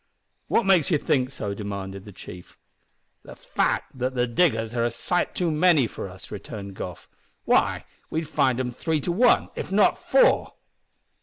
"What makes you think so?" demanded the chief. "The fact that the diggers are a sight too many for us," returned Goff. "Why, we'd find 'em three to one, if not four."